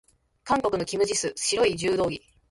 韓国のキム・ジス、白い柔道着。